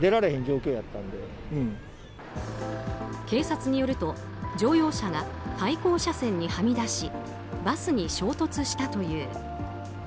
警察によると、乗用車が対向車線にはみ出しバスに衝突したという。